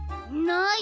ない！